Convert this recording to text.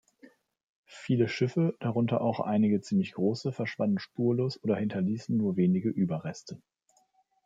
Viele Schiffe, darunter auch einige ziemlich große, verschwanden spurlos oder hinterließen nur wenige Überreste.